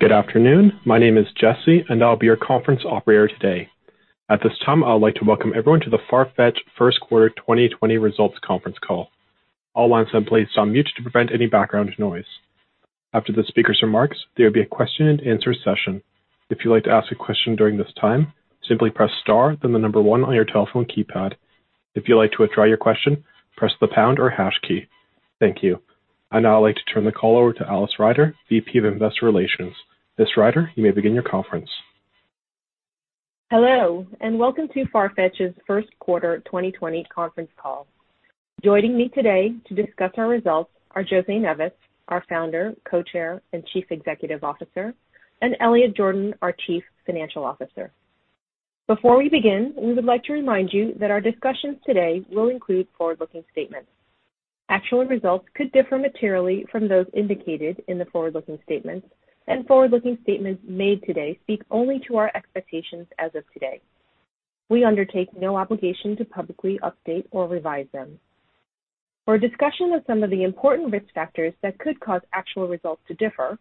Good afternoon. My name is Jesse, and I'll be your conference operator today. At this time, I'd like to welcome everyone to the Farfetch First Quarter 2020 Results Conference Call. All lines have been placed on mute to prevent any background noise. After the speaker's remarks, there will be a question and answer session. If you'd like to ask a question during this time, simply press star then the number one on your telephone keypad. If you'd like to withdraw your question, press the pound or hash key. Thank you. I'd now like to turn the call over to Alice Ryder, VP of Investor Relations. Ms. Ryder, you may begin your conference. Hello, and welcome to Farfetch's first quarter 2020 conference call. Joining me today to discuss our results are José Neves, our Founder, Co-Chair, and Chief Executive Officer, and Elliot Jordan, our Chief Financial Officer. Before we begin, we would like to remind you that our discussions today will include forward-looking statements. Actual results could differ materially from those indicated in the forward-looking statements, and forward-looking statements made today speak only to our expectations as of today. We undertake no obligation to publicly update or revise them. For a discussion of some of the important risk factors that could cause actual results to differ,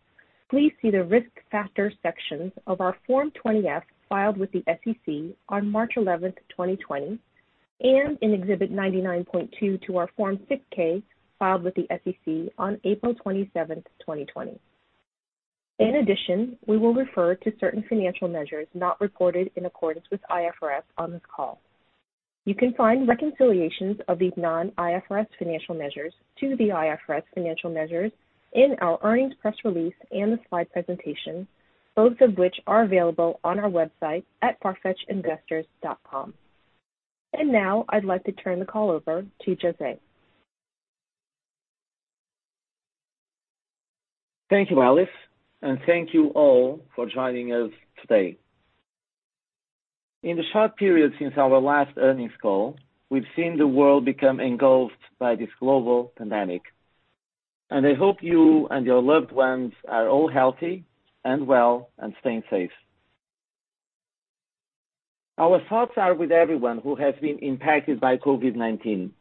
please see the Risk Factors sections of our Form 20-F filed with the SEC on March 11th, 2020, and in Exhibit 99.2 to our Form 6-K filed with the SEC on April 27th, 2020. In addition, we will refer to certain financial measures not reported in accordance with IFRS on this call. You can find reconciliations of these non-IFRS financial measures to the IFRS financial measures in our earnings press release and the slide presentation, both of which are available on our website at farfetchinvestors.com. Now I'd like to turn the call over to José. Thank you, Alice. Thank you all for joining us today. In the short period since our last earnings call, we've seen the world become engulfed by this global pandemic, and I hope you and your loved ones are all healthy and well and staying safe. Our thoughts are with everyone who has been impacted by COVID-19,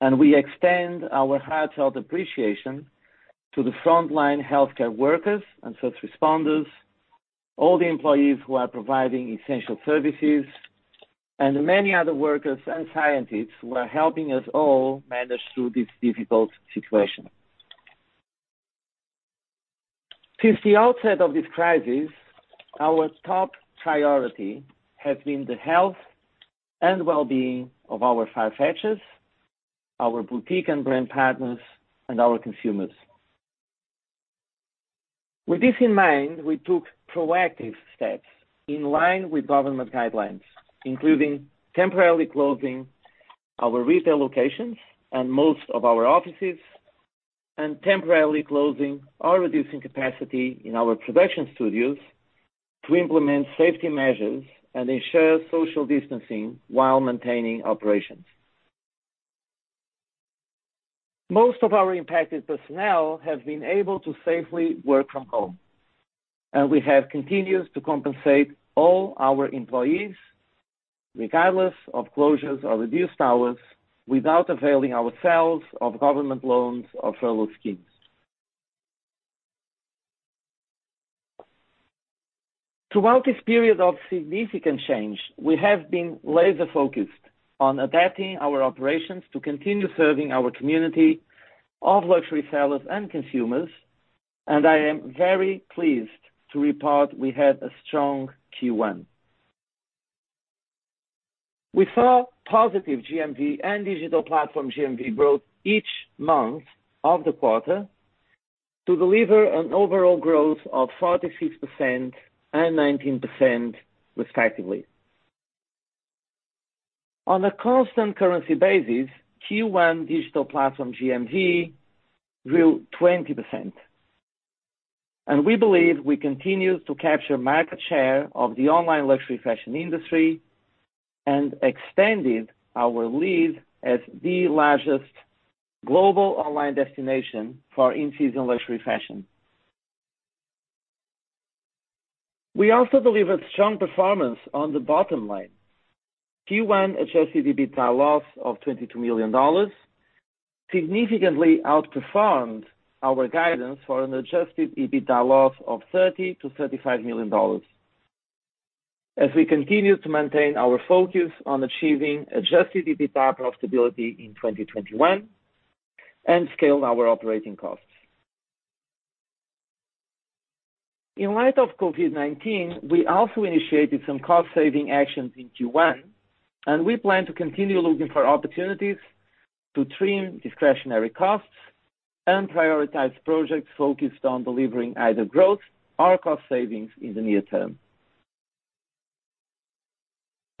and we extend our heartfelt appreciation to the frontline healthcare workers and first responders, all the employees who are providing essential services, and the many other workers and scientists who are helping us all manage through this difficult situation. Since the outset of this crisis, our top priority has been the health and well-being of our Farfetchers, our boutique and brand partners, and our consumers. With this in mind, we took proactive steps in line with government guidelines, including temporarily closing our retail locations and most of our offices and temporarily closing or reducing capacity in our production studios to implement safety measures and ensure social distancing while maintaining operations. Most of our impacted personnel have been able to safely work from home, and we have continued to compensate all our employees, regardless of closures or reduced hours, without availing ourselves of government loans or furlough schemes. Throughout this period of significant change, we have been laser-focused on adapting our operations to continue serving our community of luxury sellers and consumers, and I am very pleased to report we had a strong Q1. We saw positive GMV and Digital Platform GMV growth each month of the quarter to deliver an overall growth of 46% and 19%, respectively. On a constant currency basis, Q1 Digital Platform GMV grew 20%, we believe we continued to capture market share of the online luxury fashion industry and extended our lead as the largest global online destination for in-season luxury fashion. We also delivered strong performance on the bottom line. Q1 adjusted EBITDA loss of $22 million significantly outperformed our guidance for an adjusted EBITDA loss of $30 million-$35 million, as we continued to maintain our focus on achieving adjusted EBITDA profitability in 2021 and scaled our operating costs. In light of COVID-19, we also initiated some cost-saving actions in Q1, we plan to continue looking for opportunities to trim discretionary costs and prioritize projects focused on delivering either growth or cost savings in the near term.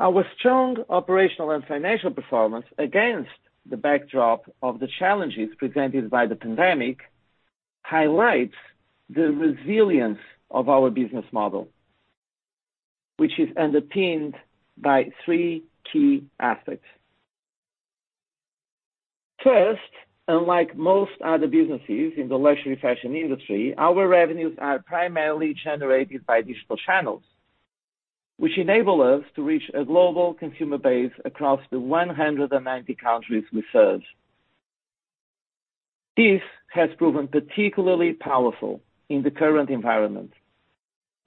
Our strong operational and financial performance against the backdrop of the challenges presented by the pandemic highlights the resilience of our business model, which is underpinned by three key aspects. First, unlike most other businesses in the luxury fashion industry, our revenues are primarily generated by digital channels, which enable us to reach a global consumer base across the 190 countries we serve. This has proven particularly powerful in the current environment,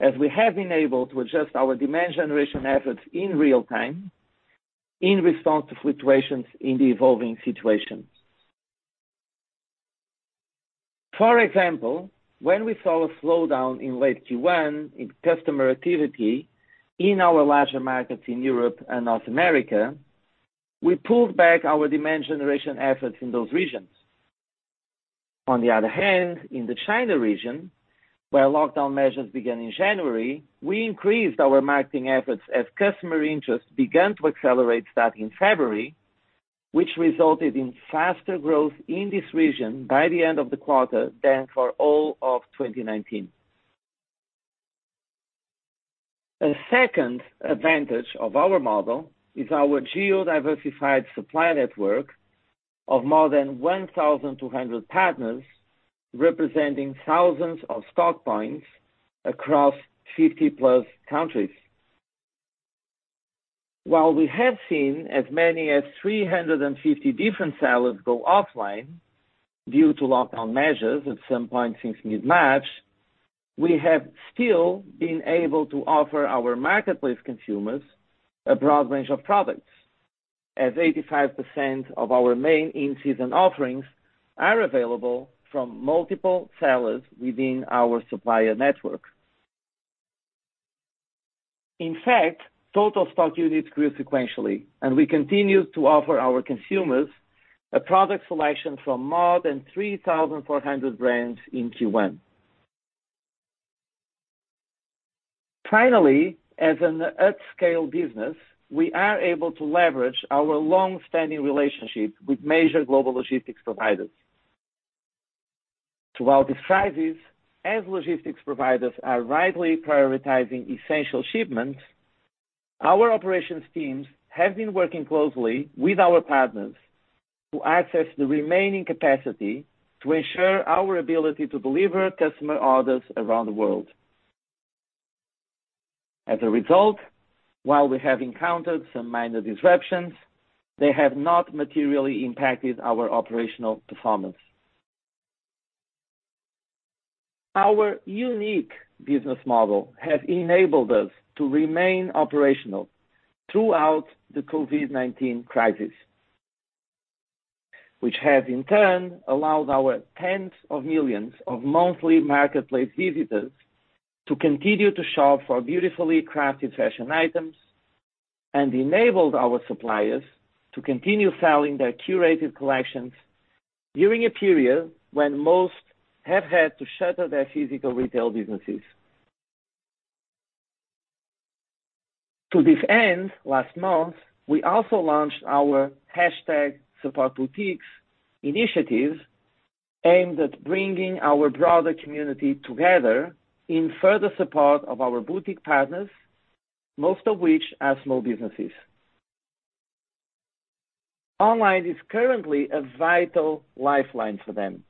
as we have been able to adjust our demand generation efforts in real time, in response to fluctuations in the evolving situation. For example, when we saw a slowdown in late Q1 in customer activity in our larger markets in Europe and North America, we pulled back our demand generation efforts in those regions. On the other hand, in the China region, where lockdown measures began in January, we increased our marketing efforts as customer interest began to accelerate starting February, which resulted in faster growth in this region by the end of the quarter than for all of 2019. A second advantage of our model is our geo-diversified supply network of more than 1,200 partners, representing thousands of stock points across 50-plus countries. While we have seen as many as 350 different sellers go offline due to lockdown measures at some point since mid-March, we have still been able to offer our marketplace consumers a broad range of products as 85% of our main in-season offerings are available from multiple sellers within our supplier network. In fact, total stock units grew sequentially, and we continued to offer our consumers a product selection from more than 3,400 brands in Q1. Finally, as an at-scale business, we are able to leverage our long-standing relationship with major global logistics providers. Throughout this crisis, as logistics providers are rightly prioritizing essential shipments, our operations teams have been working closely with our partners to access the remaining capacity to ensure our ability to deliver customer orders around the world. As a result, while we have encountered some minor disruptions, they have not materially impacted our operational performance. Our unique business model has enabled us to remain operational throughout the COVID-19 crisis, which has in turn allowed our tens of millions of monthly marketplace visitors to continue to shop for beautifully crafted fashion items and enabled our suppliers to continue selling their curated collections during a period when most have had to shutter their physical retail businesses. To this end, last month, we also launched our #supportboutiques initiative aimed at bringing our broader community together in further support of our boutique partners, most of which are small businesses. Online is currently a vital lifeline for them.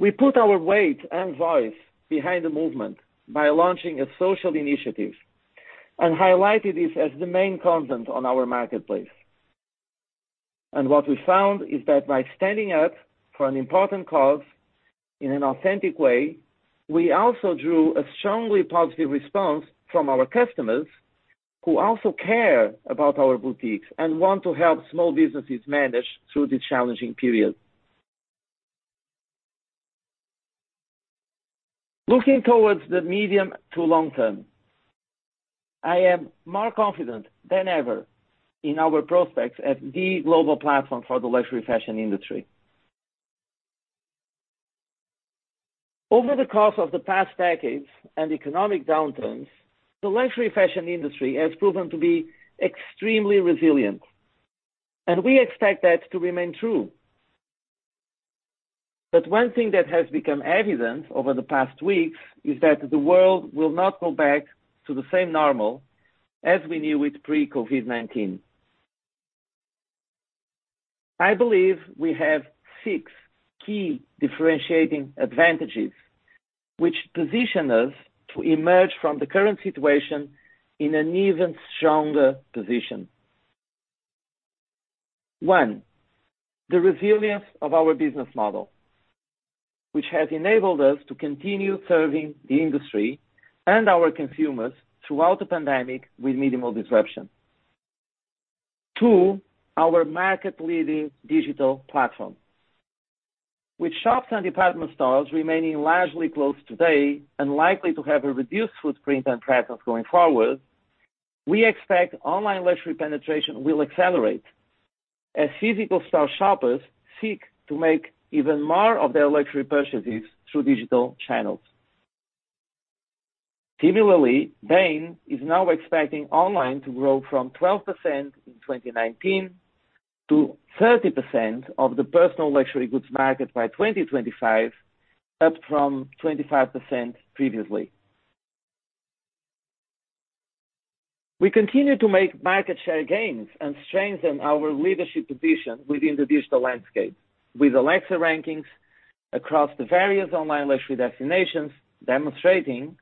We put our weight and voice behind the movement by launching a social initiative and highlighted this as the main content on our marketplace. What we found is that by standing up for an important cause in an authentic way, we also drew a strongly positive response from our customers, who also care about our boutiques and want to help small businesses manage through this challenging period. Looking towards the medium to long term, I am more confident than ever in our prospects as the global platform for the luxury fashion industry. Over the course of the past decades and economic downturns, the luxury fashion industry has proven to be extremely resilient, and we expect that to remain true. One thing that has become evident over the past weeks is that the world will not go back to the same normal as we knew it pre-COVID-19. I believe we have six key differentiating advantages, which position us to emerge from the current situation in an even stronger position. One, the resilience of our business model, which has enabled us to continue serving the industry and our consumers throughout the pandemic with minimal disruption. Two, our market-leading digital platform. With shops and department stores remaining largely closed today and likely to have a reduced footprint and presence going forward, we expect online luxury penetration will accelerate as physical store shoppers seek to make even more of their luxury purchases through digital channels. Similarly, Bain is now expecting online to grow from 12% in 2019 to 30% of the personal luxury goods market by 2025, up from 25% previously. We continue to make market share gains and strengthen our leadership position within the digital landscape with Alexa rankings across the various online luxury destinations, demonstrating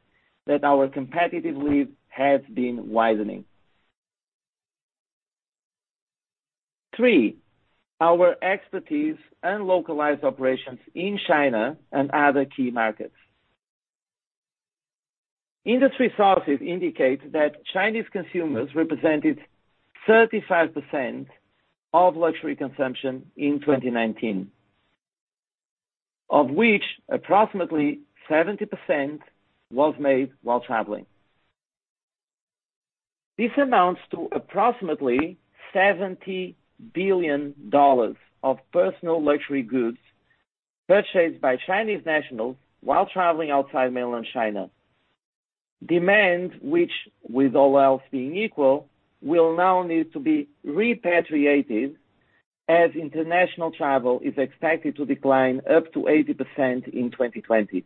that our competitive lead has been widening. Three, our expertise and localized operations in China and other key markets. Industry sources indicate that Chinese consumers represented 35% of luxury consumption in 2019, of which approximately 70% was made while traveling. This amounts to approximately $70 billion of personal luxury goods purchased by Chinese nationals while traveling outside mainland China. Demand which, with all else being equal, will now need to be repatriated as international travel is expected to decline up to 80% in 2020.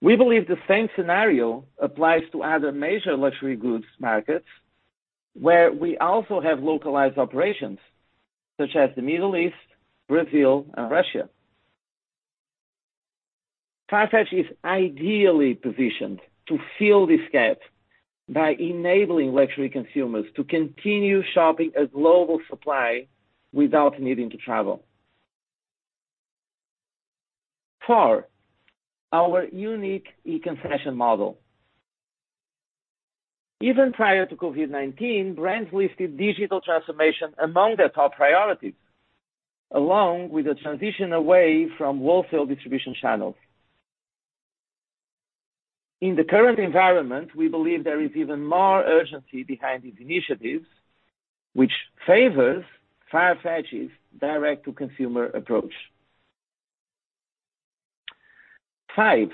We believe the same scenario applies to other major luxury goods markets, where we also have localized operations such as the Middle East, Brazil, and Russia. Farfetch is ideally positioned to fill this gap by enabling luxury consumers to continue shopping a global supply without needing to travel. Four, our unique e-concession model. Even prior to COVID-19, brands listed digital transformation among their top priorities, along with a transition away from wholesale distribution channels. In the current environment, we believe there is even more urgency behind these initiatives, which favors Farfetch's direct-to-consumer approach. Five,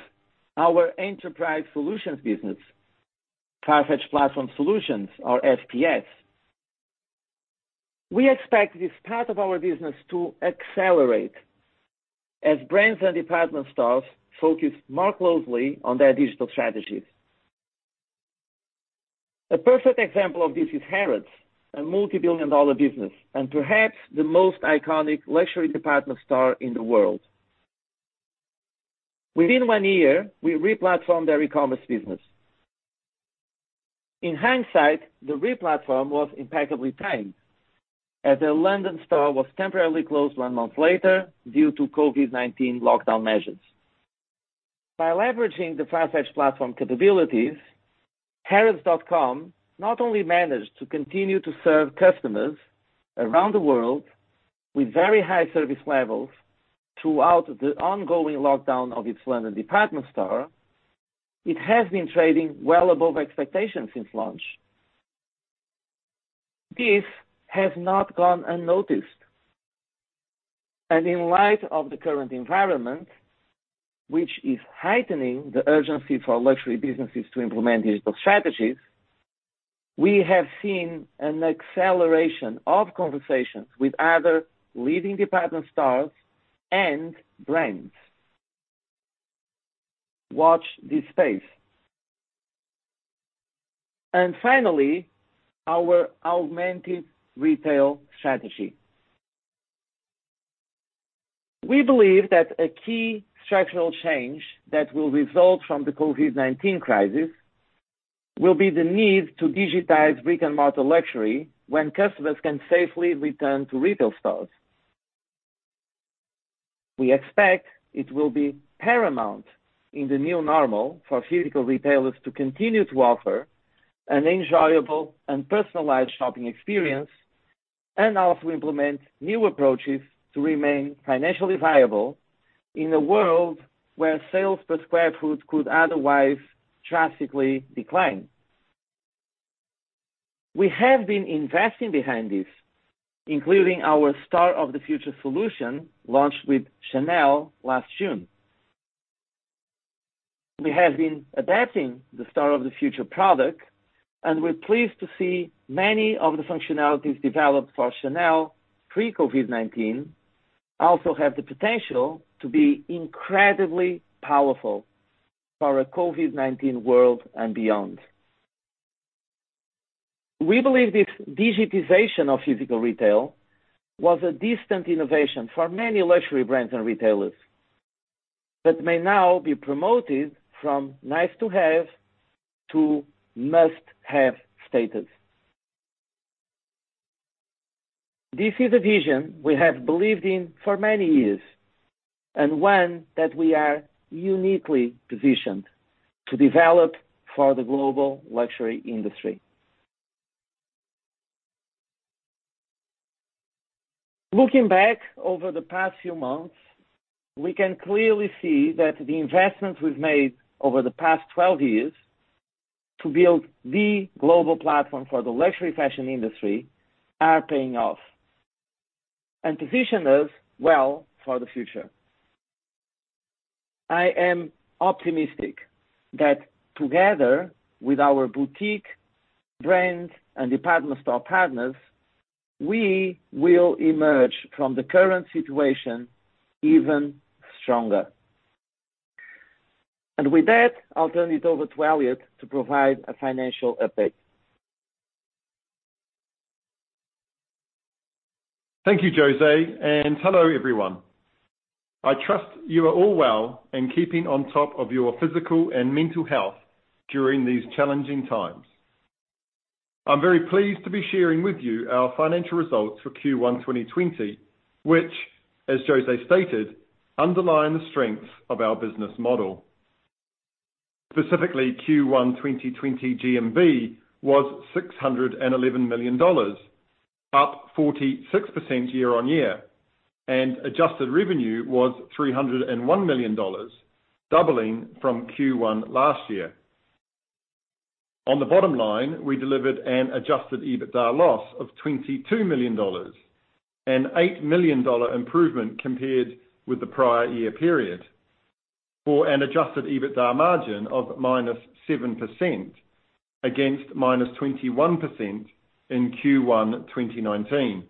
our enterprise solutions business, Farfetch Platform Solutions or FPS. We expect this part of our business to accelerate as brands and department stores focus more closely on their digital strategies. A perfect example of this is Harrods, a multibillion-dollar business, and perhaps the most iconic luxury department store in the world. Within one year, we re-platformed their e-commerce business. In hindsight, the re-platform was impeccably timed, as their London store was temporarily closed one month later due to COVID-19 lockdown measures. By leveraging the Farfetch platform capabilities, harrods.com not only managed to continue to serve customers around the world with very high service levels throughout the ongoing lockdown of its London department store, it has been trading well above expectations since launch. This has not gone unnoticed. In light of the current environment, which is heightening the urgency for luxury businesses to implement digital strategies, we have seen an acceleration of conversations with other leading department stores and brands. Watch this space. Finally, our augmented retail strategy. We believe that a key structural change that will result from the COVID-19 crisis will be the need to digitize brick-and-mortar luxury when customers can safely return to retail stores. We expect it will be paramount in the new normal for physical retailers to continue to offer an enjoyable and personalized shopping experience, and also implement new approaches to remain financially viable in a world where sales per square foot could otherwise drastically decline. We have been investing behind this, including our Store of the Future solution launched with Chanel last June. We have been adapting the Store of the Future product, and we're pleased to see many of the functionalities developed for Chanel pre-COVID-19 also have the potential to be incredibly powerful for a COVID-19 world and beyond. We believe this digitization of physical retail was a distant innovation for many luxury brands and retailers that may now be promoted from nice to have to must-have status. This is a vision we have believed in for many years and one that we are uniquely positioned to develop for the global luxury industry. Looking back over the past few months, we can clearly see that the investments we've made over the past 12 years to build the global platform for the luxury fashion industry are paying off and position us well for the future. I am optimistic that together with our boutique, brand, and department store partners, we will emerge from the current situation even stronger. With that, I'll turn it over to Elliot to provide a financial update. Thank you, José, and hello, everyone. I trust you are all well and keeping on top of your physical and mental health during these challenging times. I'm very pleased to be sharing with you our financial results for Q1 2020, which, as José stated, underline the strengths of our business model. Specifically, Q1 2020 GMV was $611 million, up 46% year-on-year, and adjusted revenue was $301 million, doubling from Q1 last year. On the bottom line, we delivered an adjusted EBITDA loss of $22 million, an $8 million improvement compared with the prior year period, for an adjusted EBITDA margin of -7% against -21% in Q1 2019.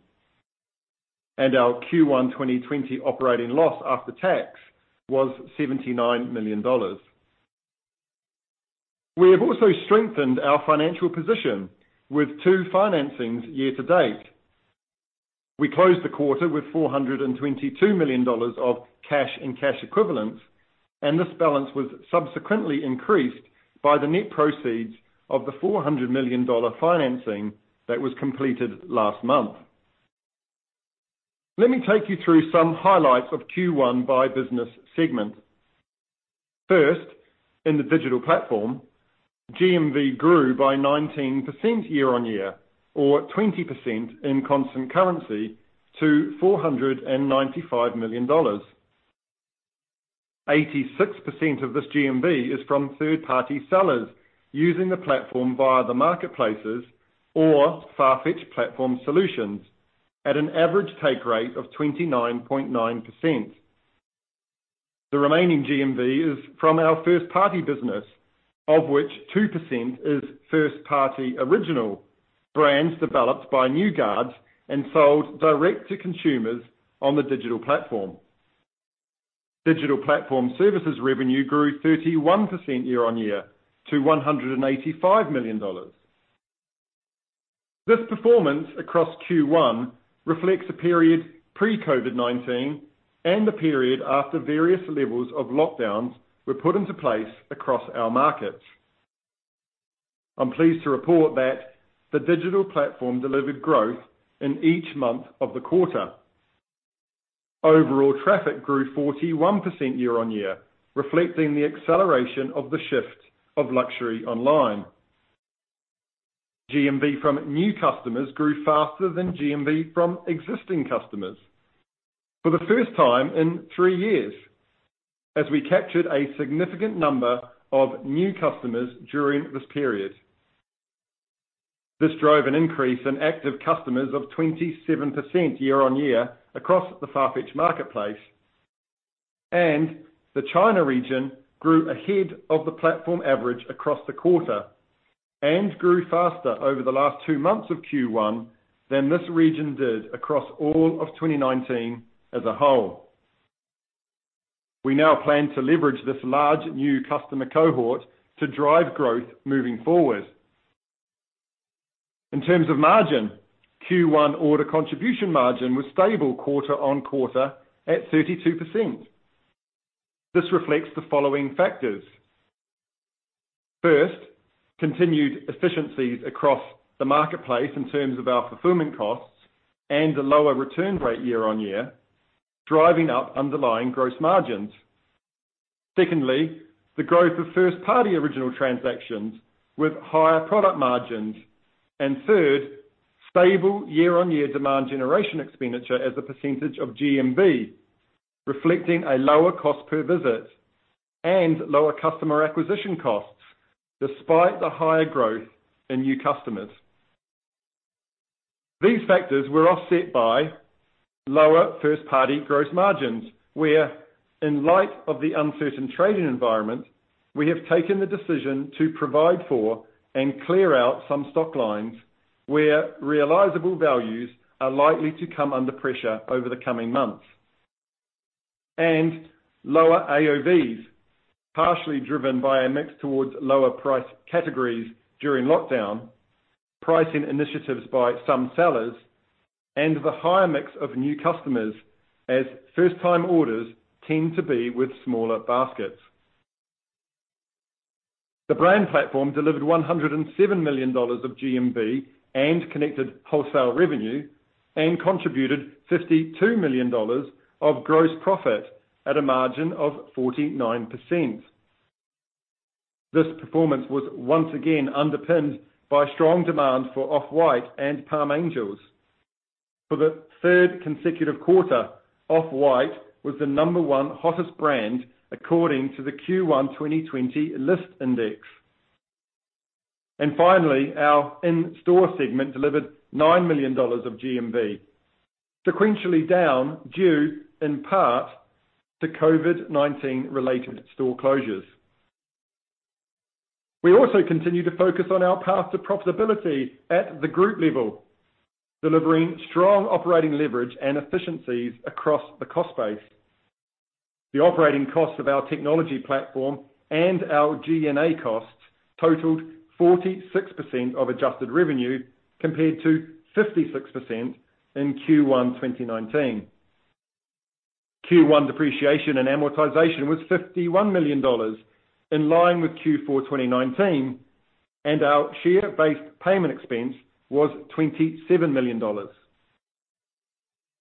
Our Q1 2020 operating loss after tax was $79 million. We have also strengthened our financial position with two financings year-to-date. We closed the quarter with $422 million of cash in cash equivalents. This balance was subsequently increased by the net proceeds of the $400 million financing that was completed last month. Let me take you through some highlights of Q1 by business segment. First, in the Digital Platform, GMV grew by 19% year-on-year or 20% in constant currency to $495 million. 86% of this GMV is from third-party sellers using the platform via the marketplaces or Farfetch Platform Solutions at an average take rate of 29.9%. The remaining GMV is from our first-party business, of which 2% is first-party original brands developed by New Guards and sold direct to consumers on the Digital Platform. Digital Platform Services revenue grew 31% year-on-year to $185 million. This performance across Q1 reflects a period pre-COVID-19 and the period after various levels of lockdowns were put into place across our markets. I'm pleased to report that the digital platform delivered growth in each month of the quarter. Overall traffic grew 41% year-on-year, reflecting the acceleration of the shift of luxury online. GMV from new customers grew faster than GMV from existing customers for the first time in three years, as we captured a significant number of new customers during this period. This drove an increase in active customers of 27% year-on-year across the Farfetch Marketplace, and the China region grew ahead of the platform average across the quarter and grew faster over the last two months of Q1 than this region did across all of 2019 as a whole. We now plan to leverage this large new customer cohort to drive growth moving forward. In terms of margin, Q1 order contribution margin was stable quarter-on-quarter at 32%. This reflects the following factors. First, continued efficiencies across the marketplace in terms of our fulfillment costs and a lower return rate year-on-year, driving up underlying gross margins. Secondly, the growth of first-party original transactions with higher product margins, and third, stable year-on-year demand generation expenditure as a percentage of GMV, reflecting a lower cost per visit and lower customer acquisition costs despite the higher growth in new customers. These factors were offset by lower first-party gross margins, where in light of the uncertain trading environment, we have taken the decision to provide for and clear out some stock lines where realizable values are likely to come under pressure over the coming months, and lower AOV partially driven by a mix towards lower price categories during lockdown, pricing initiatives by some sellers, and the higher mix of new customers as first-time orders tend to be with smaller baskets. The brand platform delivered $107 million of GMV and connected wholesale revenue and contributed $52 million of gross profit at a margin of 49%. This performance was once again underpinned by strong demand for Off-White and Palm Angels. For the third consecutive quarter, Off-White was the number one hottest brand according to the Q1 2020 Lyst Index. Finally, our in-store segment delivered $9 million of GMV, sequentially down due in part to COVID-19 related store closures. We also continue to focus on our path to profitability at the group level, delivering strong operating leverage and efficiencies across the cost base. The operating cost of our technology platform and our G&A costs totaled 46% of adjusted revenue, compared to 56% in Q1 2019. Q1 depreciation and amortization was $51 million, in line with Q4 2019, and our share-based payment expense was $27 million.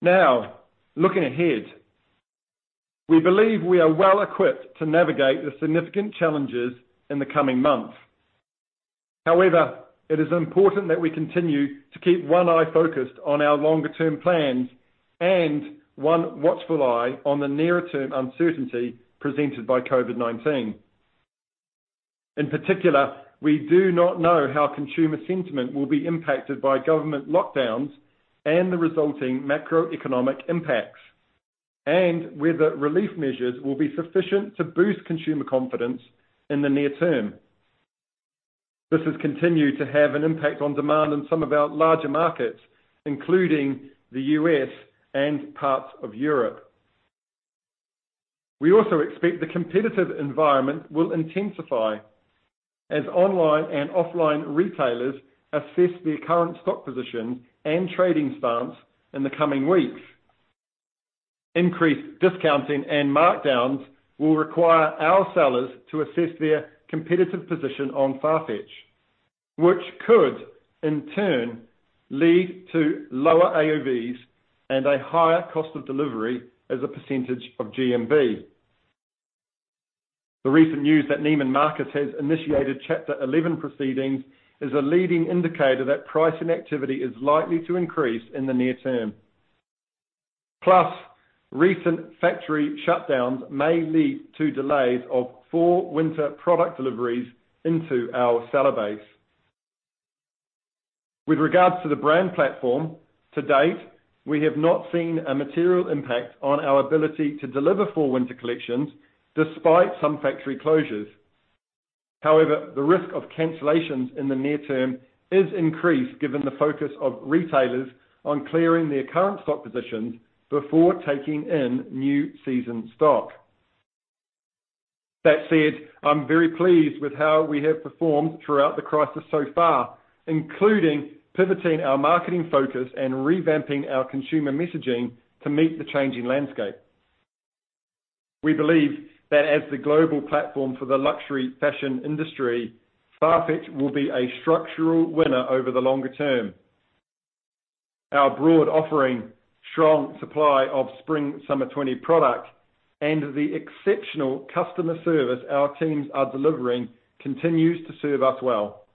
Now, looking ahead, we believe we are well-equipped to navigate the significant challenges in the coming months. However, it is important that we continue to keep one eye focused on our longer-term plans and one watchful eye on the nearer-term uncertainty presented by COVID-19. In particular, we do not know how consumer sentiment will be impacted by government lockdowns and the resulting macroeconomic impacts, and whether relief measures will be sufficient to boost consumer confidence in the near term. This has continued to have an impact on demand in some of our larger markets, including the U.S. and parts of Europe. We also expect the competitive environment will intensify as online and offline retailers assess their current stock position and trading stance in the coming weeks. Increased discounting and markdowns will require our sellers to assess their competitive position on Farfetch, which could, in turn, lead to lower AOVs and a higher cost of delivery as a percentage of GMV. The recent news that Neiman Marcus has initiated Chapter 11 proceedings is a leading indicator that pricing activity is likely to increase in the near term. Recent factory shutdowns may lead to delays of fall/winter product deliveries into our seller base. With regards to the brand platform, to date, we have not seen a material impact on our ability to deliver fall/winter collections, despite some factory closures. However, the risk of cancellations in the near term is increased given the focus of retailers on clearing their current stock positions before taking in new season stock. That said, I'm very pleased with how we have performed throughout the crisis so far, including pivoting our marketing focus and revamping our consumer messaging to meet the changing landscape. We believe that as the global platform for the luxury fashion industry, Farfetch will be a structural winner over the longer term. Our broad offering, strong supply of spring/summer 2020 product, and the exceptional customer service our teams are delivering continues to serve us well.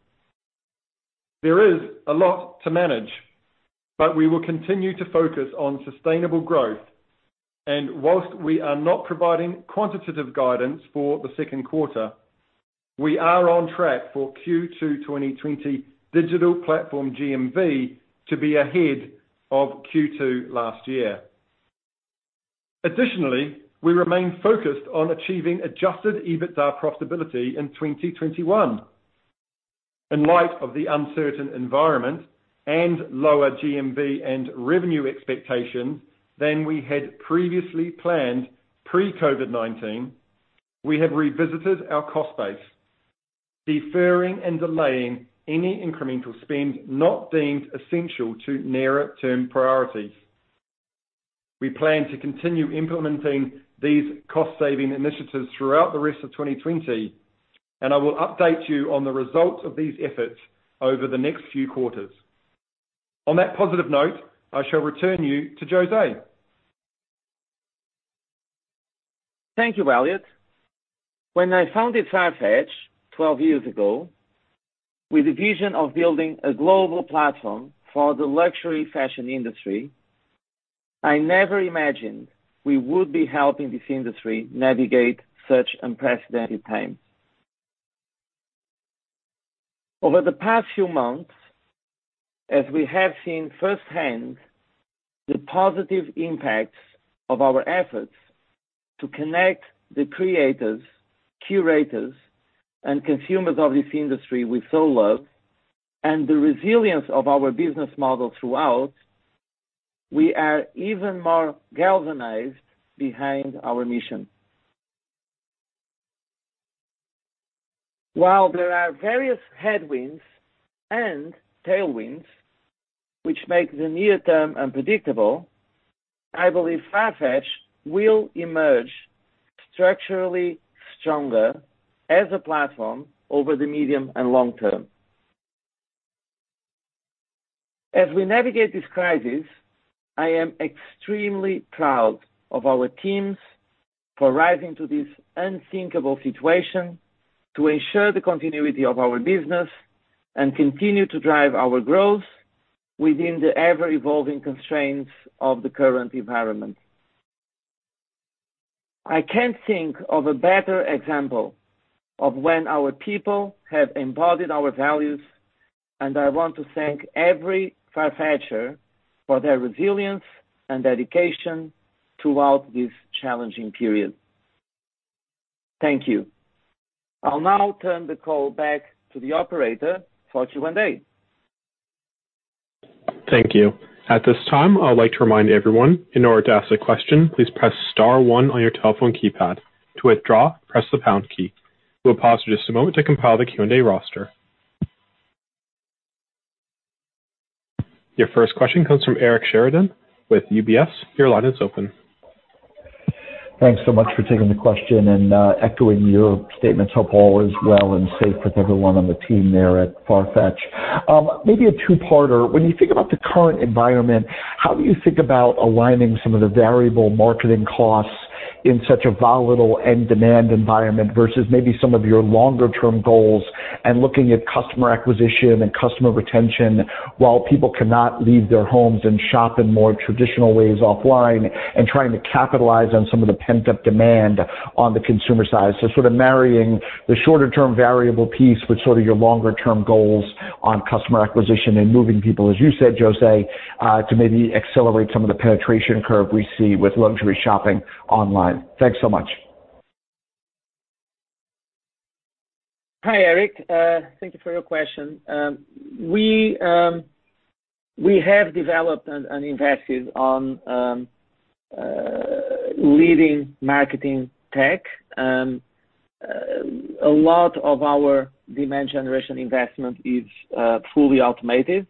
There is a lot to manage, but we will continue to focus on sustainable growth. Whilst we are not providing quantitative guidance for the second quarter, we are on track for Q2 2020 Digital Platform GMV to be ahead of Q2 last year. Additionally, we remain focused on achieving adjusted EBITDA profitability in 2021. In light of the uncertain environment and lower GMV and revenue expectations than we had previously planned pre-COVID-19, we have revisited our cost base, deferring and delaying any incremental spend not deemed essential to nearer-term priorities. We plan to continue implementing these cost-saving initiatives throughout the rest of 2020. I will update you on the results of these efforts over the next few quarters. On that positive note, I shall return you to José. Thank you, Elliot. When I founded Farfetch 12 years ago, with a vision of building a global platform for the luxury fashion industry, I never imagined we would be helping this industry navigate such unprecedented times. Over the past few months, as we have seen firsthand the positive impacts of our efforts to connect the creators, curators, and consumers of this industry we so love, and the resilience of our business model throughout, we are even more galvanized behind our mission. While there are various headwinds and tailwinds which make the near term unpredictable, I believe Farfetch will emerge structurally stronger as a platform over the medium and long term. As we navigate this crisis, I am extremely proud of our teams for rising to this unthinkable situation to ensure the continuity of our business and continue to drive our growth within the ever-evolving constraints of the current environment. I can't think of a better example of when our people have embodied our values. I want to thank every Farfetcher for their resilience and dedication throughout this challenging period. Thank you. I'll now turn the call back to the operator for Q&A. Thank you. At this time, I would like to remind everyone, in order to ask a question, please press star one on your telephone keypad. To withdraw, press the pound key. We'll pause for just a moment to compile the Q&A roster. Your first question comes from Eric Sheridan with UBS. Your line is open. Thanks so much for taking the question and echoing your statement. Hope all is well and safe with everyone on the team there at Farfetch. Maybe a two-parter. When you think about the current environment, how do you think about aligning some of the variable marketing costs in such a volatile end demand environment versus maybe some of your longer-term goals and looking at customer acquisition and customer retention while people cannot leave their homes and shop in more traditional ways offline and trying to capitalize on some of the pent-up demand on the consumer side. Sort of marrying the shorter-term variable piece with sort of your longer-term goals on customer acquisition and moving people, as you said, José, to maybe accelerate some of the penetration curve we see with luxury shopping online. Thanks so much. Hi, Eric. Thank you for your question. We have developed and invested on leading marketing tech. A lot of our demand generation investment is fully automated,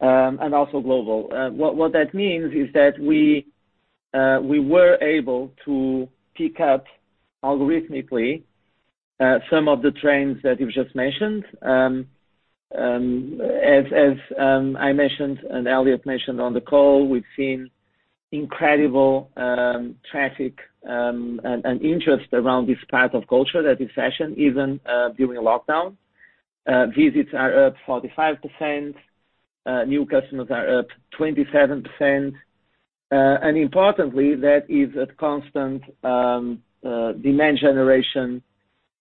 and also global. What that means is that we were able to pick up algorithmically some of the trends that you've just mentioned. As I mentioned, and Elliot mentioned on the call, we've seen incredible traffic, and interest around this part of culture that is fashion, even during lockdown. Visits are up 45%. New customers are up 27%. Importantly, that is a constant demand generation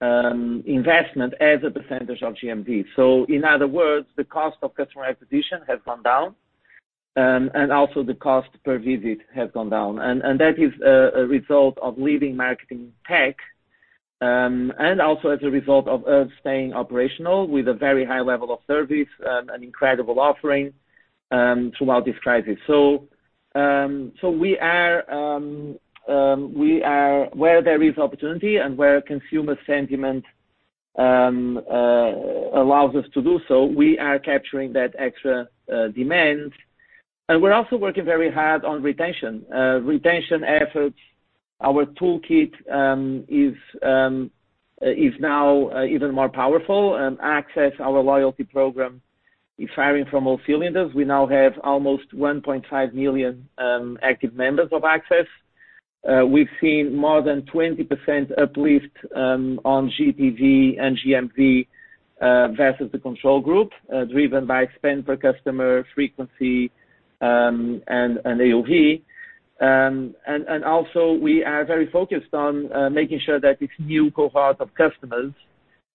investment as a percentage of GMV. In other words, the cost of customer acquisition has gone down, and also the cost per visit has gone down. That is a result of leading marketing tech, and also as a result of us staying operational with a very high level of service and incredible offering throughout this crisis. Where there is opportunity and where consumer sentiment allows us to do so, we are capturing that extra demand. We're also working very hard on retention. Retention efforts, our toolkit, is now even more powerful and Access, our loyalty program, is firing from all cylinders. We now have almost 1.5 million active members of Access. We've seen more than 20% uplift on GPV and GMV versus the control group, driven by spend per customer frequency, and AOV. Also, we are very focused on making sure that this new cohort of customers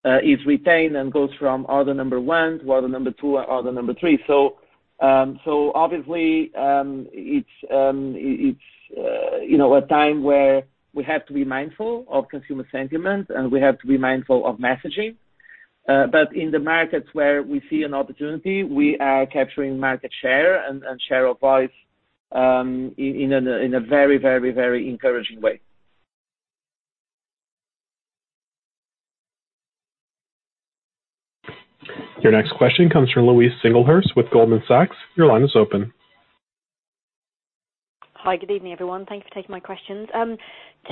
is retained and goes from order number one to order number two or order number three. Obviously, it's a time where we have to be mindful of consumer sentiment, and we have to be mindful of messaging. In the markets where we see an opportunity, we are capturing market share and share of voice in a very encouraging way. Your next question comes from Louise Singlehurst with Goldman Sachs. Your line is open. Hi, good evening, everyone. Thank you for taking my questions.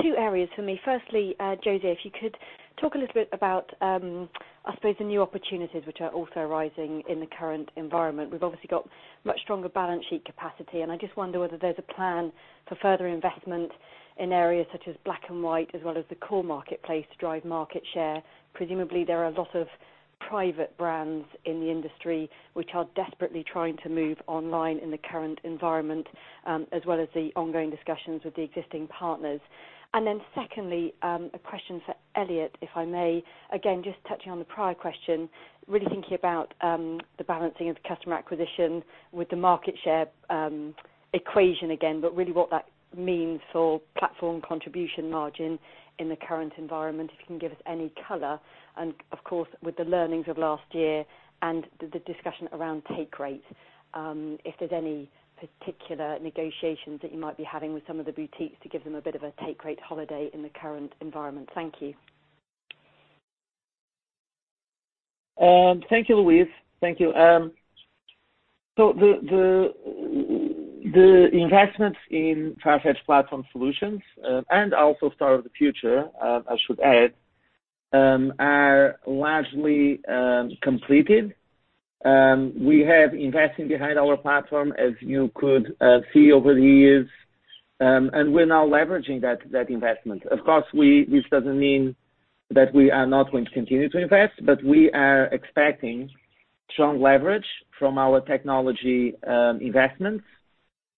Two areas for me. Firstly, José, if you could talk a little bit about, I suppose, the new opportunities which are also arising in the current environment. We've obviously got much stronger balance sheet capacity, and I just wonder whether there's a plan for further investment in areas such as Black & White as well as the core marketplace to drive market share. Presumably, there are a lot of private brands in the industry which are desperately trying to move online in the current environment, as well as the ongoing discussions with the existing partners. Then secondly, a question for Elliot, if I may. Just touching on the prior question, really thinking about the balancing of customer acquisition with the market share equation again, what that means for platform contribution margin in the current environment, if you can give us any color. Of course, with the learnings of last year and the discussion around take rate, if there's any particular negotiations that you might be having with some of the boutiques to give them a bit of a take rate holiday in the current environment. Thank you. Thank you, Louise. Thank you. The investments in Farfetch Platform Solutions, and also Store of the Future, I should add, are largely completed. We have investing behind our platform, as you could see over the years, and we're now leveraging that investment. Of course, this doesn't mean that we are not going to continue to invest, but we are expecting strong leverage from our technology investments.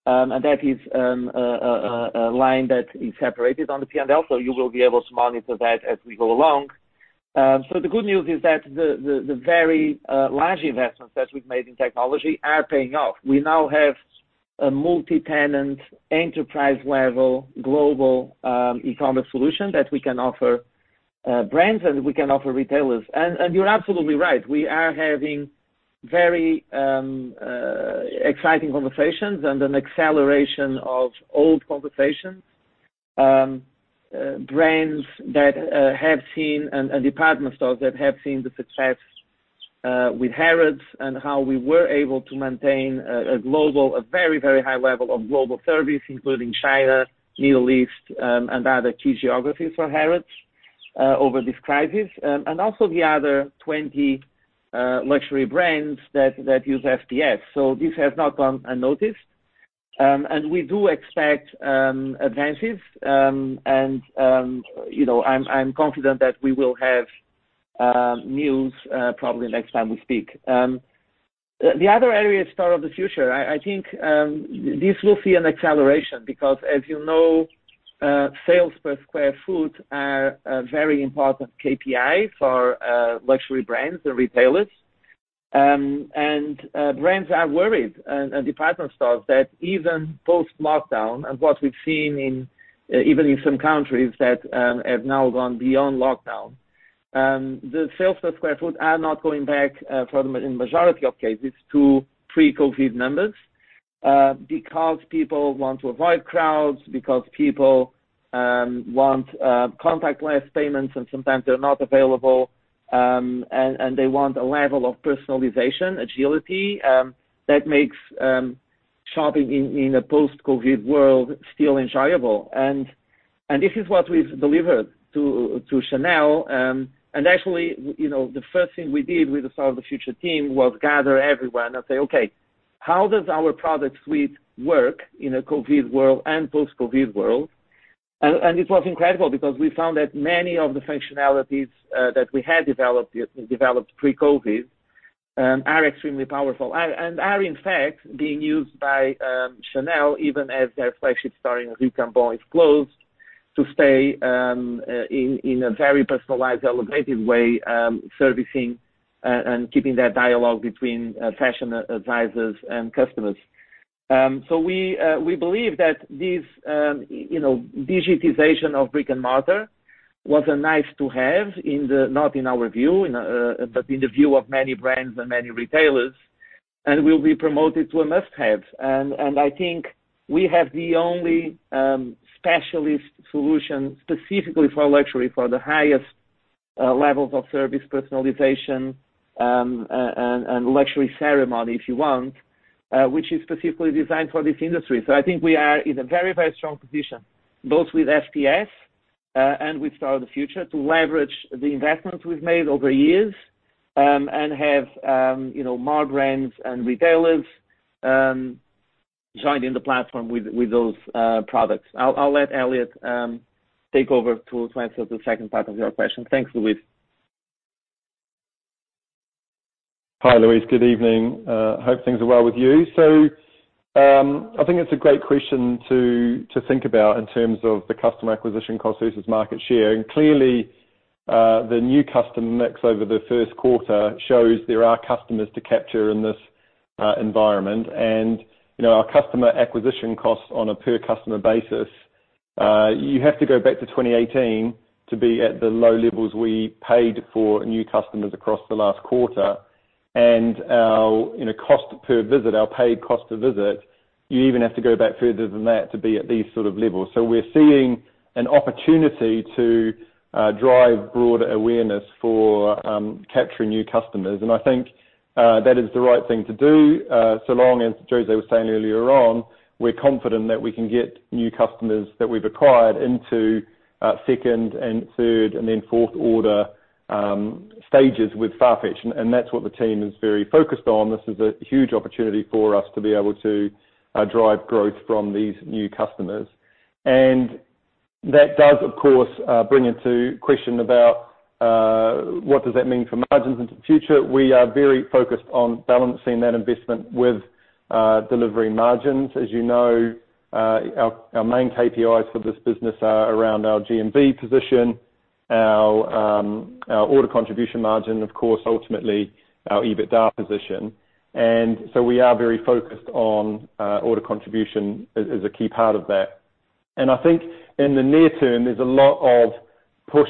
That is a line that is separated on the P&L, so you will be able to monitor that as we go along. The good news is that the very large investments that we've made in technology are paying off. We now have a multi-tenant, enterprise-level, global e-commerce solution that we can offer brands and we can offer retailers. You're absolutely right, we are having very exciting conversations and an acceleration of old conversations. Brands that have seen, and department stores that have seen the success with Harrods and how we were able to maintain a very high level of global service, including China, Middle East, and other key geographies for Harrods over this crisis. Also the other 20 luxury brands that use FPS. This has not gone unnoticed. We do expect advances, and I'm confident that we will have news probably next time we speak. The other area is Store of the Future. I think this will see an acceleration because, as you know, sales per square foot are a very important KPI for luxury brands and retailers. Brands are worried, and department stores, that even post-lockdown, and what we've seen even in some countries that have now gone beyond lockdown the sales per square foot are not going back, in majority of cases, to pre-COVID numbers. Because people want to avoid crowds, because people want contactless payments, and sometimes they're not available, and they want a level of personalization, agility, that makes shopping in a post-COVID world still enjoyable. This is what we've delivered to Chanel. Actually, the first thing we did with the Store of the Future team was gather everyone and say, "Okay, how does our product suite work in a COVID world and post-COVID world?" It was incredible because we found that many of the functionalities that we had developed pre-COVID are extremely powerful and are, in fact, being used by Chanel, even as their flagship store in Rue Cambon is closed, to stay in a very personalized, elevated way servicing and keeping that dialogue between fashion advisors and customers. We believe that this digitization of brick and mortar was a nice-to-have, not in our view, but in the view of many brands and many retailers, and will be promoted to a must-have. I think we have the only specialist solution specifically for luxury, for the highest levels of service personalization, and luxury ceremony, if you want, which is specifically designed for this industry. I think we are in a very strong position, both with FPS and with Store of the Future to leverage the investments we've made over years, and have more brands and retailers join in the platform with those products. I'll let Elliot take over to answer the second part of your question. Thanks, Louise. Hi, Louise. Good evening. Hope things are well with you. I think it's a great question to think about in terms of the customer acquisition cost versus market share. Clearly, the new customer mix over the first quarter shows there are customers to capture in this environment. Our customer acquisition cost on a per customer basis, you have to go back to 2018 to be at the low levels we paid for new customers across the last quarter. Our cost per visit, our paid cost per visit, you even have to go back further than that to be at these sort of levels. We're seeing an opportunity to drive broader awareness for capturing new customers, and I think that is the right thing to do so long as, José was saying earlier on, we're confident that we can get new customers that we've acquired into second and third, and then fourth order stages with Farfetch, and that's what the team is very focused on. This is a huge opportunity for us to be able to drive growth from these new customers. That does, of course, bring into question about what does that mean for margins into future? We are very focused on balancing that investment with delivery margins. As you know, our main KPIs for this business are around our GMV position, our order contribution margin, of course, ultimately, our EBITDA position. We are very focused on order contribution as a key part of that. I think in the near term, there's a lot of push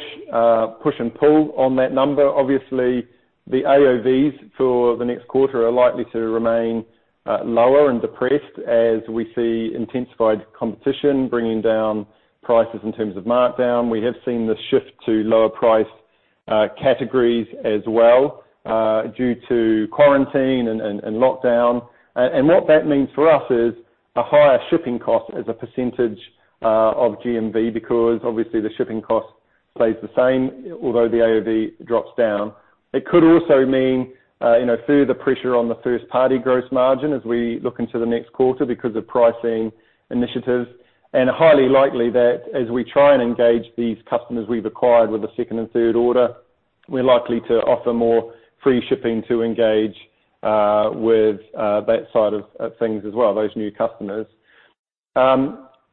and pull on that number. Obviously, the AOVs for the next quarter are likely to remain lower and depressed as we see intensified competition bringing down prices in terms of markdown. We have seen the shift to lower price categories as well due to quarantine and lockdown. What that means for us is a higher shipping cost as a percentage of GMV, because obviously the shipping cost stays the same, although the AOV drops down. It could also mean further pressure on the first-party gross margin as we look into the next quarter because of pricing initiatives. Highly likely that as we try and engage these customers we've acquired with a second and third order, we're likely to offer more free shipping to engage with that side of things as well, those new customers.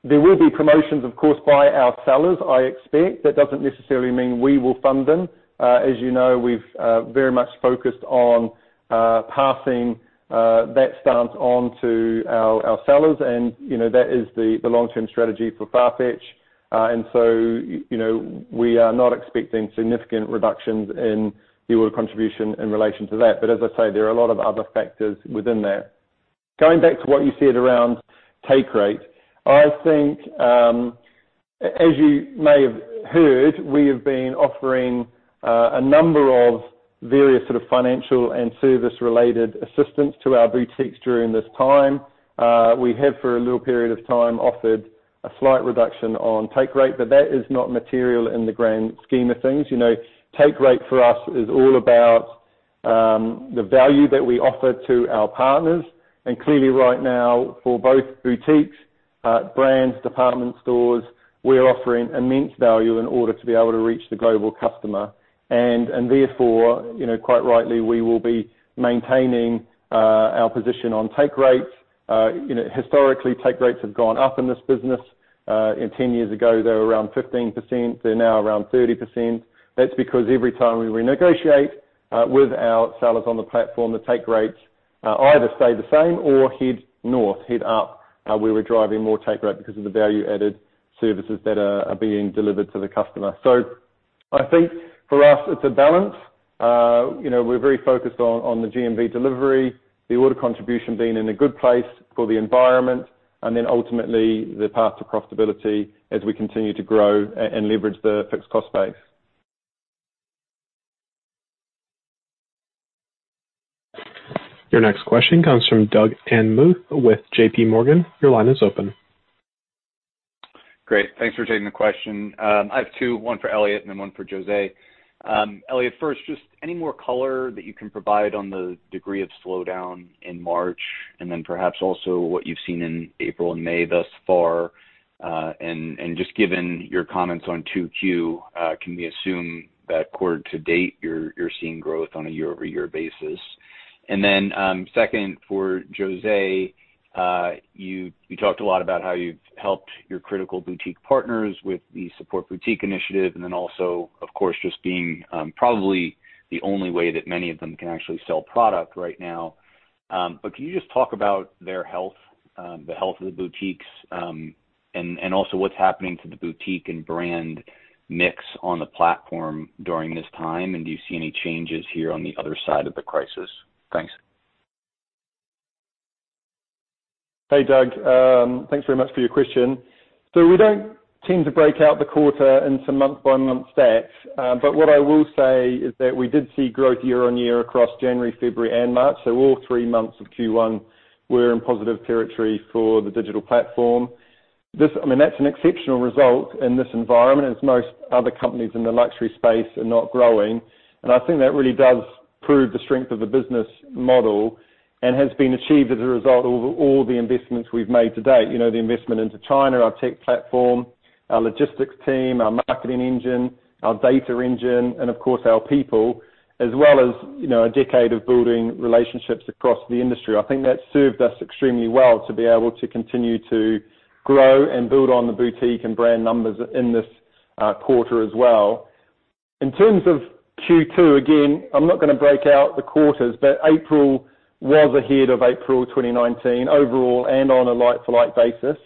There will be promotions, of course, by our sellers, I expect. That doesn't necessarily mean we will fund them. As you know, we've very much focused on passing that stance on to our sellers, and that is the long-term strategy for Farfetch. We are not expecting significant reductions in the order contribution in relation to that. As I say, there are a lot of other factors within there. Going back to what you said around take rate, I think, as you may have heard, we have been offering a number of various financial and service-related assistance to our boutiques during this time. We have, for a little period of time, offered a slight reduction on take rate, but that is not material in the grand scheme of things. Take rate for us is all about the value that we offer to our partners. Clearly right now, for both boutiques, brands, department stores, we are offering immense value in order to be able to reach the global customer. Therefore, quite rightly, we will be maintaining our position on take rates. Historically, take rates have gone up in this business. 10 years ago, they were around 15%, they're now around 30%. That's because every time we renegotiate with our sellers on the platform, the take rates either stay the same or head north, head up. We were driving more take rate because of the value-added services that are being delivered to the customer. I think for us, it's a balance. We're very focused on the GMV delivery, the order contribution being in a good place for the environment, and then ultimately the path to profitability as we continue to grow and leverage the fixed cost base. Your next question comes from Doug Anmuth with JPMorgan. Your line is open. Great. Thanks for taking the question. I have two, one for Elliot and one for José. Elliot first, just any more color that you can provide on the degree of slowdown in March, and perhaps also what you've seen in April and May thus far. Just given your comments on 2Q, can we assume that quarter to date, you're seeing growth on a year-over-year basis? Second for José, you talked a lot about how you've helped your critical boutique partners with the Support Boutique Initiative, and also, of course, just being probably the only way that many of them can actually sell product right now. Can you just talk about their health, the health of the boutiques, and also what's happening to the boutique and brand mix on the platform during this time? Do you see any changes here on the other side of the crisis? Thanks. Hey, Doug. Thanks very much for your question. We don't tend to break out the quarter into month-by-month stats. What I will say is that we did see growth year-on-year across January, February, and March. All three months of Q1 were in positive territory for the Digital Platform. That's an exceptional result in this environment, as most other companies in the luxury space are not growing. I think that really does prove the strength of the business model, and has been achieved as a result of all the investments we've made to date. The investment into China, our tech platform, our logistics team, our marketing engine, our data engine, and of course, our people, as well as a decade of building relationships across the industry. I think that's served us extremely well to be able to continue to grow and build on the boutique and brand numbers in this quarter as well. In terms of Q2, again, I'm not going to break out the quarters, April was ahead of April 2019 overall and on a like-to-like basis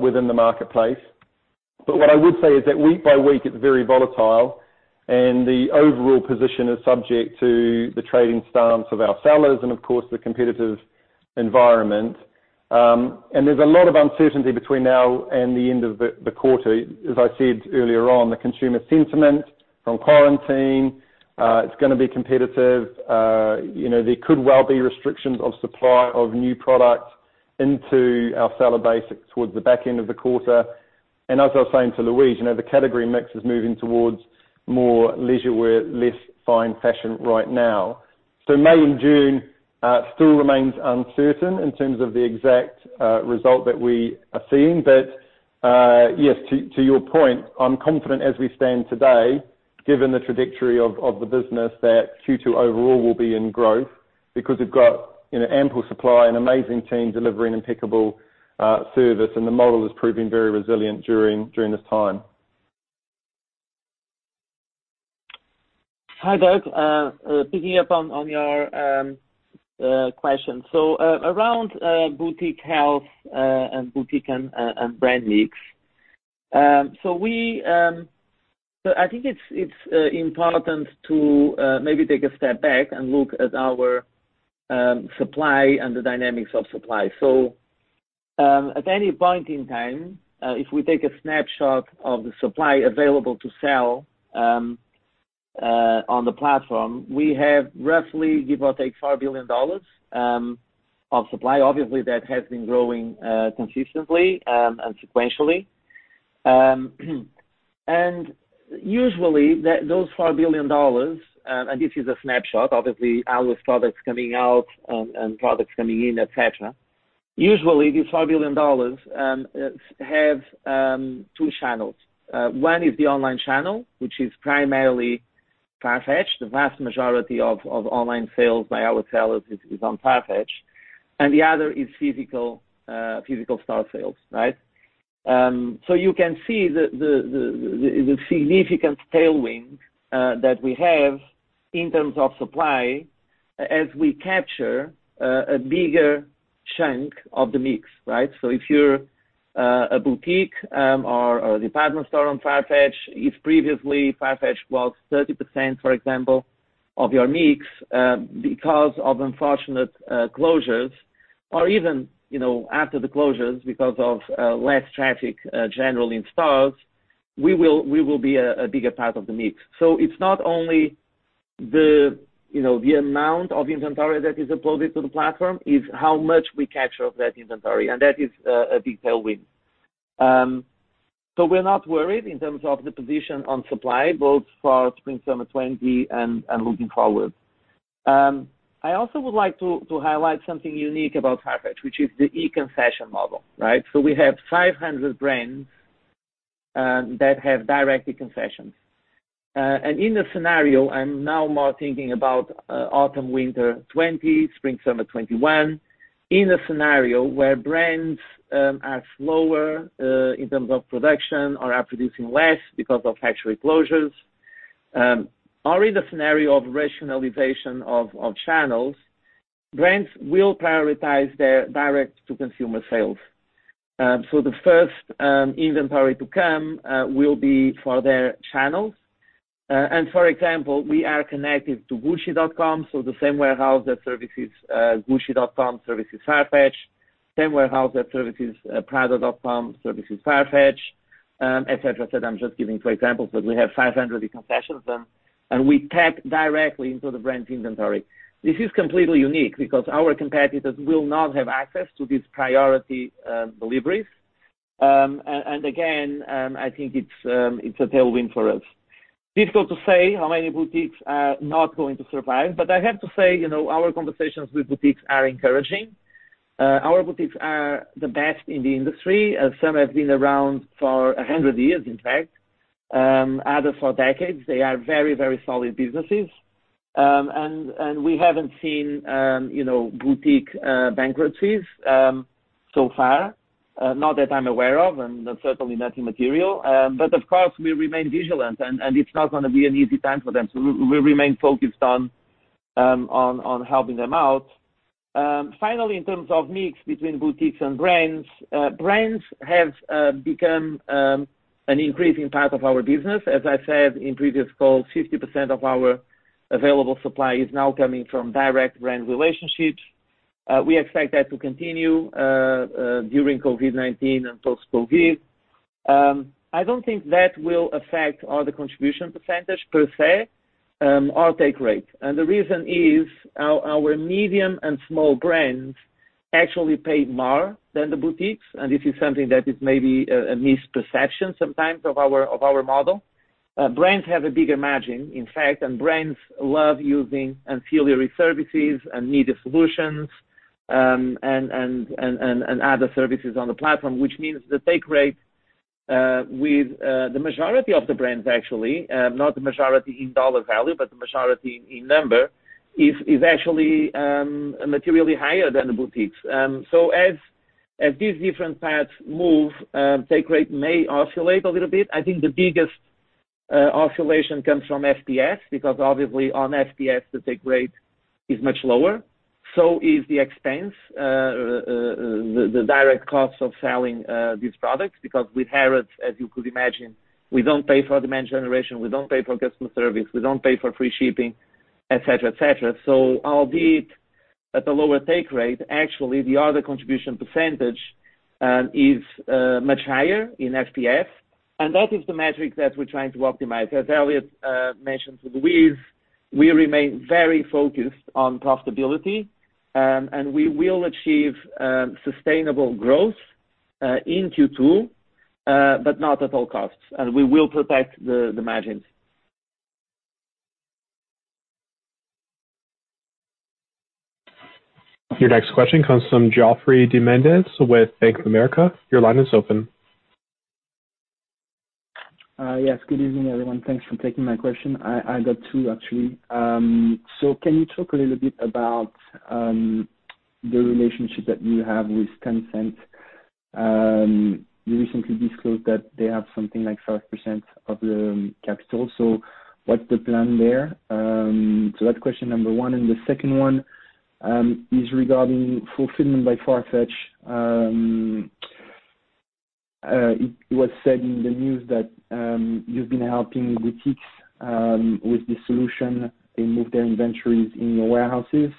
within the marketplace. What I would say is that week by week, it's very volatile, and the overall position is subject to the trading stance of our sellers and, of course, the competitive environment. There's a lot of uncertainty between now and the end of the quarter. As I said earlier on, the consumer sentiment from quarantine, it's going to be competitive. There could well be restrictions of supply of new product into our seller base towards the back end of the quarter. As I was saying to Louise, the category mix is moving towards more leisure wear, less fine fashion right now. May and June still remains uncertain in terms of the exact result that we are seeing. Yes, to your point, I'm confident as we stand today, given the trajectory of the business, that Q2 overall will be in growth because we've got ample supply and amazing teams delivering impeccable service, and the model is proving very resilient during this time. Hi, Doug. Picking up on your question. Around boutique health and boutique and brand mix. I think it's important to maybe take a step back and look at our supply and the dynamics of supply. At any point in time, if we take a snapshot of the supply available to sell on the platform, we have roughly, give or take, $4 billion of supply. Obviously, that has been growing consistently and sequentially. Usually, those $4 billion, and this is a snapshot, obviously, our products coming out and products coming in, et cetera. Usually, these $4 billion have two channels. One is the online channel, which is primarily Farfetch. The vast majority of online sales by our sellers is on Farfetch, and the other is physical store sales. You can see the significant tailwind that we have in terms of supply as we capture a bigger chunk of the mix. If you're a boutique or a department store on Farfetch, if previously Farfetch was 30%, for example, of your mix because of unfortunate closures or even, after the closures because of less traffic generally in stores, we will be a bigger part of the mix. It's not only the amount of inventory that is uploaded to the platform, it's how much we capture of that inventory, and that is a big tailwind. We're not worried in terms of the position on supply, both for spring/summer 2020 and looking forward. I also would like to highlight something unique about Farfetch, which is the e-concession model. We have 500 brands that have direct e-concessions. In this scenario, I'm now more thinking about autumn/winter 2020, spring/summer 2021. In a scenario where brands are slower in terms of production or are producing less because of factory closures, or in the scenario of rationalization of channels, brands will prioritize their direct-to-consumer sales. The first inventory to come will be for their channels. For example, we are connected to gucci.com, so the same warehouse that services gucci.com services Farfetch, same warehouse that services prada.com services Farfetch, et cetera. I'm just giving for examples, but we have 500 e-concessions, and we tap directly into the brand's inventory. This is completely unique because our competitors will not have access to these priority deliveries. Again, I think it's a tailwind for us. Difficult to say how many boutiques are not going to survive, but I have to say, our conversations with boutiques are encouraging. Our boutiques are the best in the industry. Some have been around for 100 years, in fact, others for decades. They are very solid businesses. We haven't seen boutique bankruptcies so far, not that I'm aware of, and certainly nothing material. Of course, we remain vigilant, and it's not going to be an easy time for them. We remain focused on helping them out. Finally, in terms of mix between boutiques and brands. Brands have become an increasing part of our business. As I said in previous calls, 50% of our available supply is now coming from direct brand relationships. We expect that to continue during COVID-19 and post-COVID. I don't think that will affect our contribution percentage per se, our take rate. The reason is our medium and small brands actually pay more than the boutiques, and this is something that is maybe a misperception sometimes of our model. Brands have a bigger margin, in fact, brands love using ancillary services and media solutions, and other services on the platform, which means the take rate with the majority of the brands actually, not the majority in dollar value, but the majority in number, is actually materially higher than the boutiques. As these different parts move, take rate may oscillate a little bit. I think the biggest oscillation comes from FPS, because obviously on FPS, the take rate is much lower. Is the expense, the direct cost of selling these products. With Harrods, as you could imagine, we don't pay for demand generation. We don't pay for customer service. We don't pay for free shipping, et cetera. Albeit at a lower take rate, actually, the order contribution percentage is much higher in FPS, and that is the metric that we're trying to optimize. As Elliot mentioned with Louise, we remain very focused on profitability, and we will achieve sustainable growth in Q2, but not at all costs. We will protect the margins. Your next question comes from Geoffroy De Mendez with Bank of America. Your line is open. Yes. Good evening, everyone. Thanks for taking my question. I got two, actually. Can you talk a little bit about the relationship that you have with Tencent? You recently disclosed that they have something like 5% of the capital. What's the plan there? That's question number one, and the second one is regarding Fulfillment by Farfetch. It was said in the news that you've been helping boutiques with this solution. They moved their inventories in your warehouses.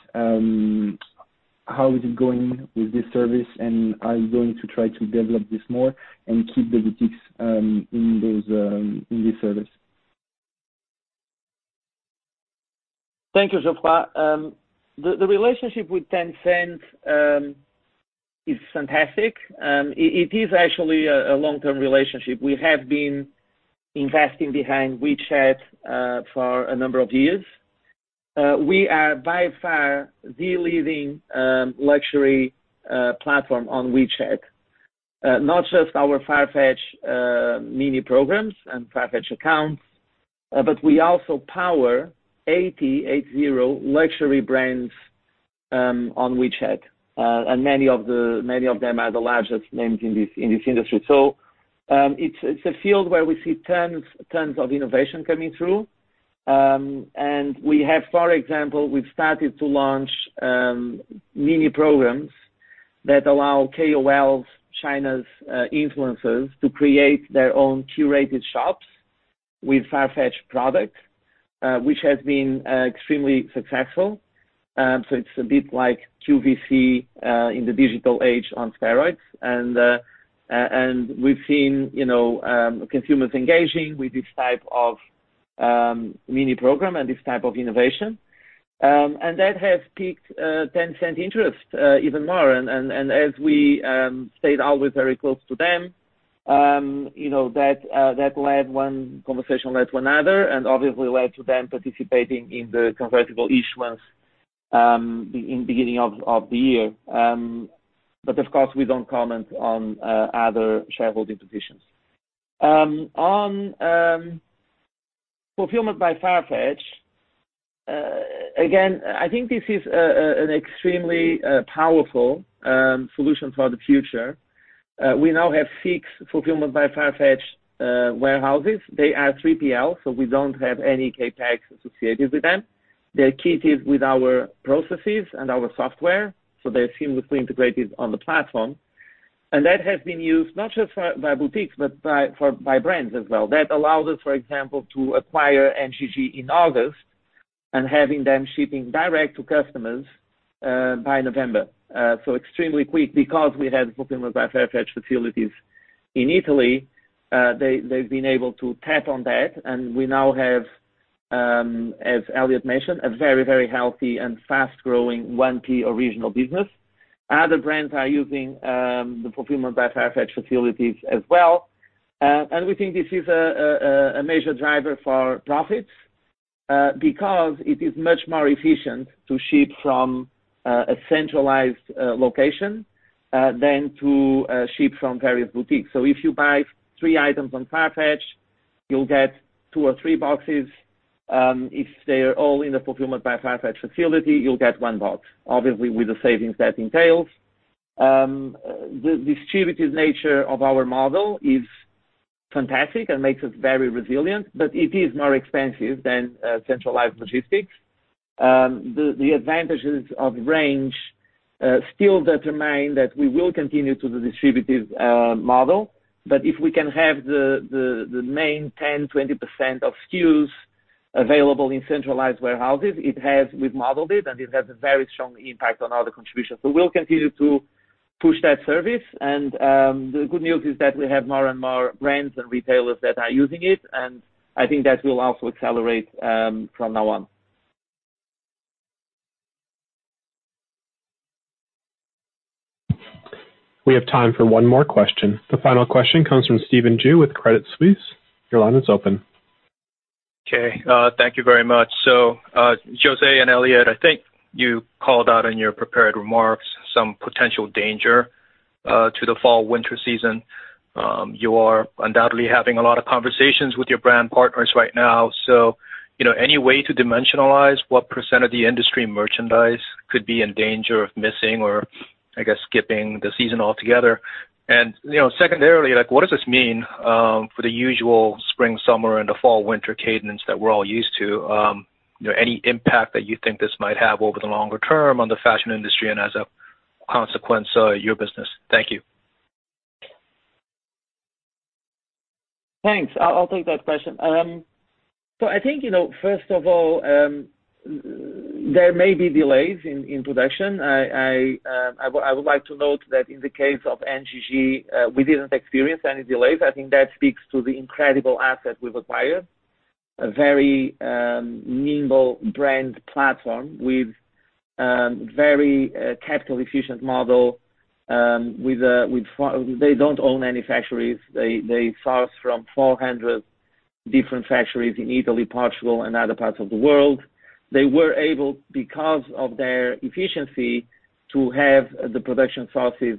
How is it going with this service, and are you going to try to develop this more and keep the boutiques in this service? Thank you, Geoffroy. The relationship with Tencent is fantastic. It is actually a long-term relationship. We have been investing behind WeChat for a number of years. We are by far the leading luxury platform on WeChat. Not just our Farfetch mini programs and Farfetch accounts, but we also power 80 luxury brands on WeChat. Many of them are the largest names in this industry. It's a field where we see tons of innovation coming through. We have, for example, we've started to launch mini programs that allow KOLs, China's influencers, to create their own curated shops with Farfetch products, which has been extremely successful. It's a bit like QVC in the digital age on steroids. We've seen consumers engaging with this type of mini program and this type of innovation. That has piqued Tencent interest even more. As we stayed always very close to them, that one conversation led to another, and obviously led to them participating in the convertible issuance in beginning of the year. Of course, we don't comment on other shareholding positions. On Fulfillment by Farfetch, again, I think this is an extremely powerful solution for the future. We now have six Fulfillment by Farfetch warehouses. They are 3PL, so we don't have any CapEx associated with them. They're kitted with our processes and our software, so they're seamlessly integrated on the platform. That has been used not just by boutiques, but by brands as well. That allowed us, for example, to acquire NGG in August and having them shipping direct to customers by November. Extremely quick because we had Fulfillment by Farfetch facilities in Italy. They've been able to tap on that, and we now have, as Elliot mentioned, a very healthy and fast-growing 1P original business. Other brands are using the Fulfillment by Farfetch facilities as well. We think this is a major driver for profits, because it is much more efficient to ship from a centralized location than to ship from various boutiques. If you buy three items on Farfetch, you'll get two or three boxes. If they're all in the Fulfillment by Farfetch facility, you'll get one box, obviously with the savings that entails. The distributed nature of our model is fantastic and makes us very resilient, but it is more expensive than centralized logistics. The advantages of range still determine that we will continue to the distributive model, but if we can have the main 10%, 20% of SKUs available in centralized warehouses, we've modeled it, and it has a very strong impact on order contributions. We'll continue to push that service, and the good news is that we have more and more brands and retailers that are using it, and I think that will also accelerate from now on. We have time for one more question. The final question comes from Stephen Ju with Credit Suisse. Your line is open. Thank you very much. José and Elliot, I think you called out in your prepared remarks some potential danger to the fall/winter season. You are undoubtedly having a lot of conversations with your brand partners right now. Any way to dimensionalize what % of the industry merchandise could be in danger of missing or, I guess, skipping the season altogether? Secondarily, what does this mean for the usual spring/summer and the fall/winter cadence that we're all used to? Any impact that you think this might have over the longer term on the fashion industry and as a consequence, your business? Thank you. Thanks. I'll take that question. I think, first of all, there may be delays in production. I would like to note that in the case of NGG, we didn't experience any delays. I think that speaks to the incredible asset we've acquired. A very nimble brand platform with very capital-efficient model. They don't own any factories. They source from 400 different factories in Italy, Portugal, and other parts of the world. They were able, because of their efficiency, to have the production sources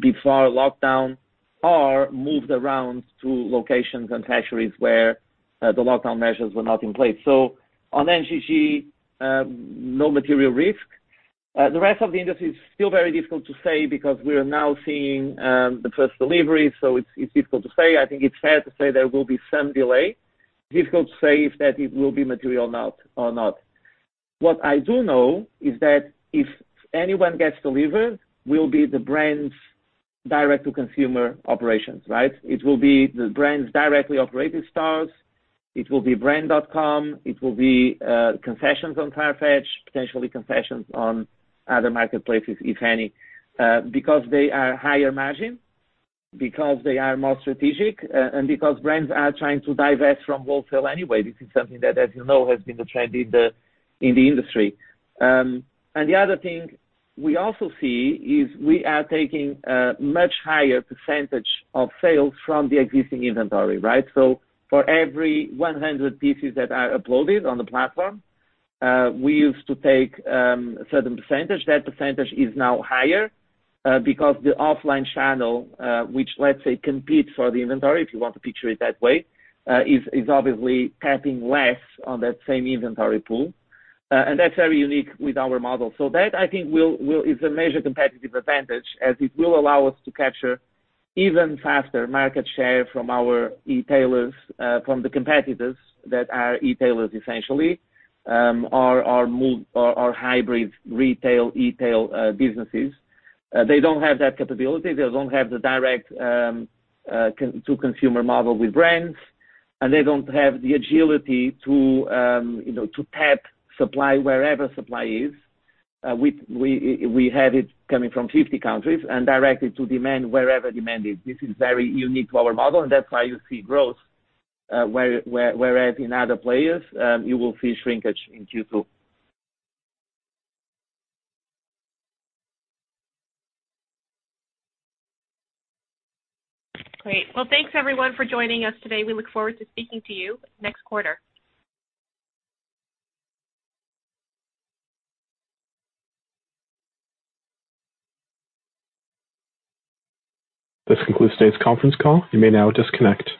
before lockdown or moved around to locations and factories where the lockdown measures were not in place. On NGG, no material risk. The rest of the industry is still very difficult to say because we are now seeing the first delivery, it's difficult to say. I think it's fair to say there will be some delay. Difficult to say if that it will be material or not. What I do know is that if anyone gets delivered, will be the brands' direct-to-consumer operations, right? It will be the brands' directly operated stores. It will be brand.com. It will be concessions on Farfetch, potentially concessions on other marketplaces, if any. Because they are higher margin, because they are more strategic, and because brands are trying to divest from wholesale anyway. This is something that, as you know, has been the trend in the industry. The other thing we also see is we are taking a much higher percentage of sales from the existing inventory, right? For every 100 pieces that are uploaded on the platform, we used to take a certain percentage. That percentage is now higher because the offline channel which, let's say, competes for the inventory, if you want to picture it that way, is obviously tapping less on that same inventory pool. That's very unique with our model. That I think is a major competitive advantage, as it will allow us to capture even faster market share from our e-tailers, from the competitors that are e-tailers essentially, or hybrid retail/e-tail businesses. They don't have that capability. They don't have the direct-to-consumer model with brands. They don't have the agility to tap supply wherever supply is. We have it coming from 50 countries and directly to demand wherever demand is. This is very unique to our model. That's why you see growth, whereas in other players, you will see shrinkage in Q2. Great. Well, thanks everyone for joining us today. We look forward to speaking to you next quarter. This concludes today's conference call. You may now disconnect.